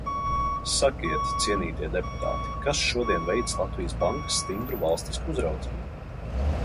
Sakiet, cienītie deputāti, kas šodien veic Latvijas Bankas stingru valstisku uzraudzību?